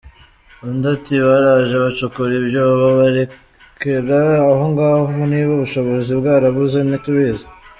Undi ati “ Baraje bacukura ibyobo barekera aho ngaho, niba ubushobozi bwarabuze ntitubizi.